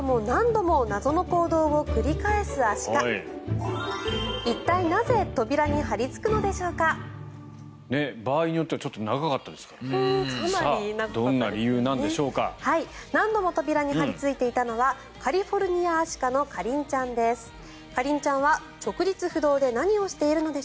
何度も扉に張りついていたのはカリフォルニアアシカのカリンちゃんです。